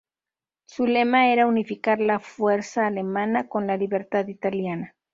Su lema era "unificar la fuerza alemana con la libertad italiana".